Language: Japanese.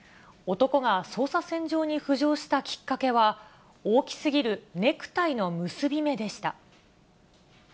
男が捜査線上に浮上したきっかけは、大きすぎるネクタイの結び目でした。